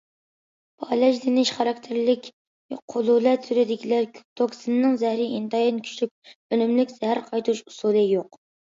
پالەچلىنىش خاراكتېرلىك قۇلۇلە تۈرىدىكىلەر توكسىنىنىڭ زەھىرى ئىنتايىن كۈچلۈك، ئۈنۈملۈك زەھەر قايتۇرۇش ئۇسۇلى يوق.